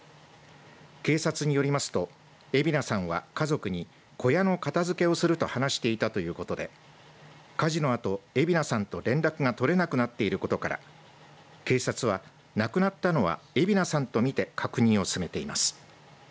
警察によりますと蝦名さんは家族に小屋の片づけをすると話していたということで火事のあと蝦名さんと連絡が取れなくなっていることから警察は亡くなったのは蝦名さんと見て確認を進めています。